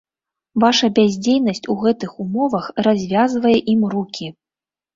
Ваша бяздзейнасць у гэтых умовах развязвае ім рукі.